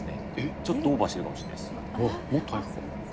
ちょっとオーバーしてるかももっと早くか。